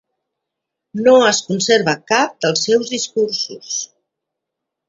No es conserva cap dels seus discursos.